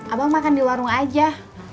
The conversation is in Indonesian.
abang makan di warung aja